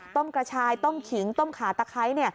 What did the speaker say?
กระชายต้มขิงต้มขาตะไคร้